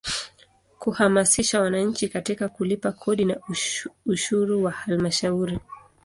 Kuhamasisha wananchi katika kulipa kodi na ushuru wa Halmashauri.